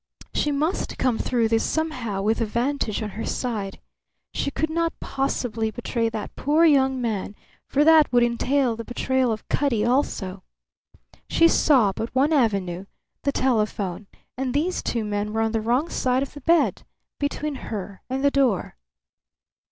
She must come through this somehow with the vantage on her side. She could not possibly betray that poor young man, for that would entail the betrayal of Cutty also. She saw but one avenue, the telephone; and these two men were on the wrong side of the bed, between her and the door.